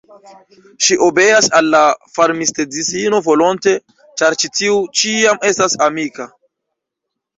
Ŝi obeas al la farmistedzino volonte, ĉar ĉi tiu ĉiam estas amika.